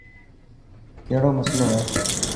ڪهڙو مصلو هي.